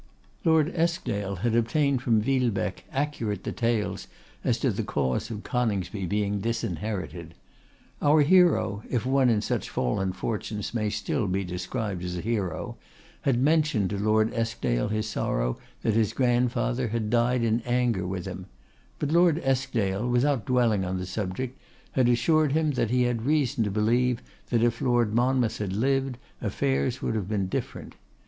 Lord Eskdale had obtained from Villebecque accurate details as to the cause of Coningsby being disinherited. Our hero, if one in such fallen fortunes may still be described as a hero, had mentioned to Lord Eskdale his sorrow that his grandfather had died in anger with him; but Lord Eskdale, without dwelling on the subject, had assured him that he had reason to believe that if Lord Monmouth had lived, affairs would have been different.